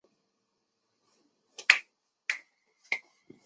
柳叶鳞花草为爵床科鳞花草属下的一个种。